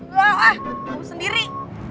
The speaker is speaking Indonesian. enggak gue sendiri